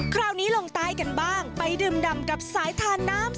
คราวนี้ลงใต้กันบ้างไปดื่มดำกับสายทานน้ำ